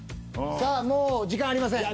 さあもう時間ありません。